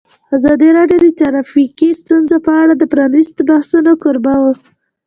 ازادي راډیو د ټرافیکي ستونزې په اړه د پرانیستو بحثونو کوربه وه.